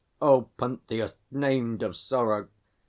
O Pentheus, named of sorrow!